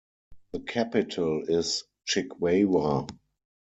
The capital is Chikwawa.